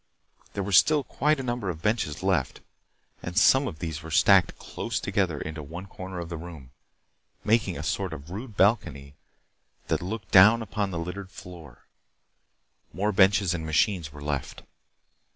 There were still quite a number of benches left, and some of these were stacked close together into one corner of the room, making a sort of rude balcony that looked down upon the littered floor. More benches and machines were left.